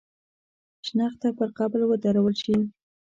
شنخته پر قبر ودرول شي.